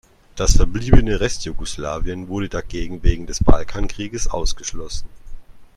Das verbliebene Restjugoslawien wurde dagegen wegen des Balkankrieges ausgeschlossen.